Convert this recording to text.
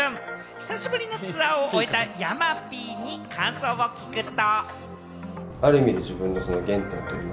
久しぶりのツアーを終えた山Ｐに感想を聞くと。